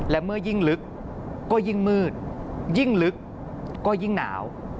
และเมื่อยิ่งลึกก็ยิ่งมืดยิ่งลึกก็ยิ่งหนาว